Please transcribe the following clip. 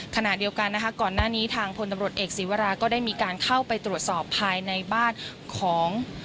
ขณะเดียวกันนะคะก่อนหน้านี้ทางพลตำรวจเอกศีวราก็ได้มีการเข้าไปตรวจสอบภายในบ้านของ